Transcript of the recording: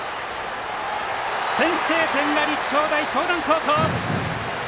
先制点は立正大淞南高校！